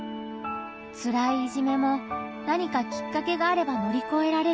つらいいじめも何かきっかけがあれば乗り越えられる。